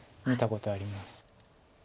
見たことあります。